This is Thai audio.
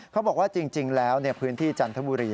เขาบอกว่าจริงแล้วพื้นที่จันทบุรี